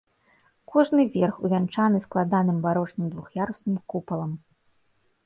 Кожны верх увянчаны складаным барочным двух'ярусным купалам.